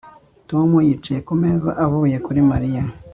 Tom yicaye ku meza avuye kuri Mariya